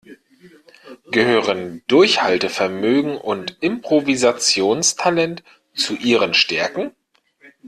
Gehören Durchhaltevermögen und Improvisationstalent zu Ihren Stärken?